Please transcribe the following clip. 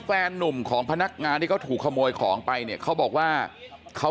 แฟนนุ่มของพนักงานที่เขาถูกขโมยของไปเนี่ยเขาบอกว่าเขา